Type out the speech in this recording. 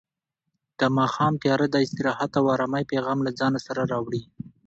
د ماښام تیاره د استراحت او ارامۍ پیغام له ځان سره راوړي.